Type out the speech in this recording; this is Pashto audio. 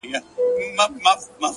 ځكه انجوني وايي له خالو سره راوتي يــو،